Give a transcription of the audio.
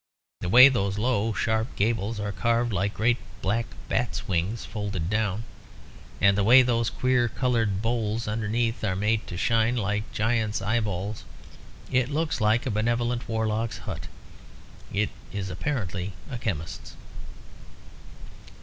The way those low sharp gables are carved like great black bat's wings folded down, and the way those queer coloured bowls underneath are made to shine like giants eye balls. It looks like a benevolent warlock's hut. It is apparently a chemist's."